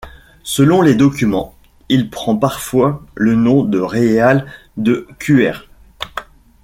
Selon les documents, il prend parfois le nom de Réal de Cuers.